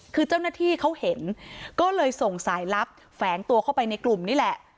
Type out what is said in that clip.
คือเจ้าหน้าที่เขาเห็นก็เลยส่งสายลับแฝงตัวเข้าไปในกลุ่มนี่แหละ